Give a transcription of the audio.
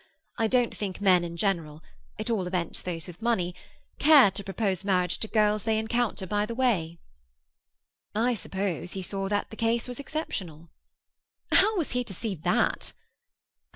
I don't think men in general, at all events those with money, care to propose marriage to girls they encounter by the way." "I suppose he saw that the case was exceptional." "How was he to see that?"